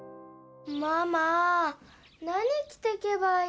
ママ何きてけばいいの？